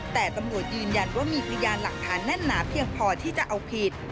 แต่ตำรวจยืนยันว่ามีพยานหลักฐานแน่นหนาเพียงพอที่จะเอาผิด